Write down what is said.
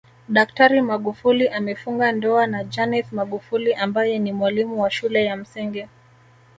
Daktari Magufuli amefunga ndoa na Janeth magufuli ambaye ni mwalimu wa shule ya msingi